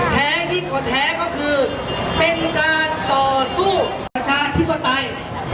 แท้ยิ่งกว่าแท้ก็คือเป็นการต่อสู้ประชาธิปไตย